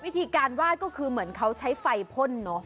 วิธีการวาดก็คือเหมือนเขาใช้ไฟพ่นเนอะ